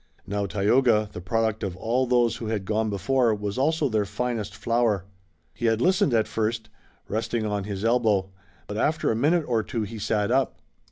Now, Tayoga, the product of all those who had gone before, was also their finest flower. He had listened at first, resting on his elbow, but after a minute or two he sat up.